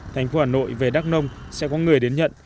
thành phố hà nội về đắk nông sẽ có người đến nhận